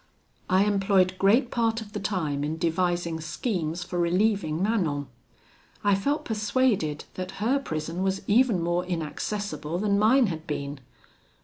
"I employed great part of the time in devising schemes for relieving Manon. I felt persuaded that her prison was even more inaccessible than mine had been.